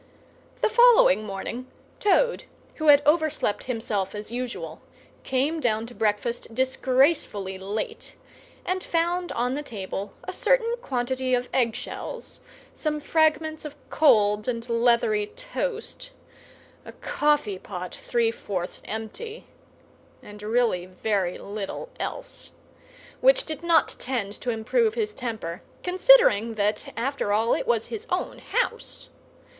The following morning, Toad, who had overslept himself as usual, came down to breakfast disgracefully late, and found on the table a certain quantity of egg shells, some fragments of cold and leathery toast, a coffee pot three fourths empty, and really very little else; which did not tend to improve his temper, considering that, after all, it was his own house.